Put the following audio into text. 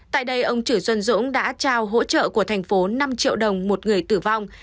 tại đây ông chử xuân dũng đã trao hỗ trợ của thành phố năm triệu đồng một người tử vong